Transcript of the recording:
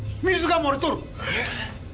水が漏れとる！